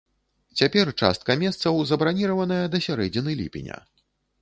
Цяпер частка месцаў забраніраваная да сярэдзіны ліпеня.